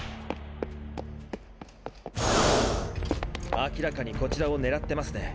明らかにこちらを狙ってますね。